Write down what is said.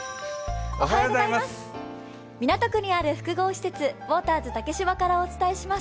港区にある複合施設、ウォーターズ竹芝からお伝えします。